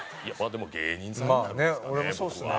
でも芸人さんになるんですかね